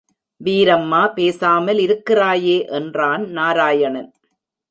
வீரம்மா பேசாமலிருக்கிறாயே என்றான் நாராயணன்.